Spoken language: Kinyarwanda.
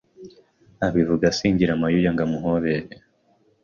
Abivuga asingira mayuya ngo amuhobere